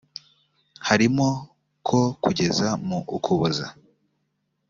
harimo ko kugeza mu Ukuboza